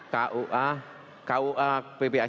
kua pphs itu kua itu